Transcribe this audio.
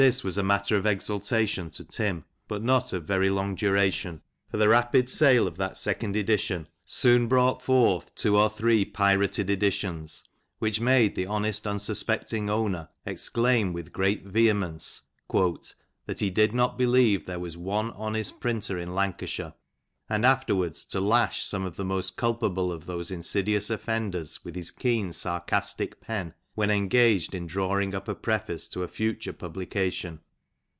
This Mas a matter of exultation to Tim, but not of very long duration: for the rapid sale of the second edition, soon brought forth two or three pirated editions, which made the honest, unsuspecting owner to exclaim with great vehemence, "That he did not b lieve there was one honest printer in Lancashire ;" and afterwards to lash some of the most culpable of those insidious offenders, with his keen, sarcastic pen, when engaged in drawing up a preface to a future publication.